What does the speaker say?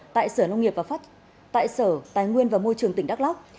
tại sở nông nghiệp và pháp tại sở tài nguyên và môi trường tỉnh đắk lắk